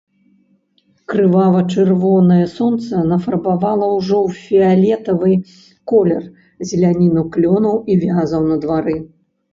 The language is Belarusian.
Крывава-чырвонае сонца нафарбавала ўжо ў фіялетавы колер зеляніну клёнаў і вязаў на двары.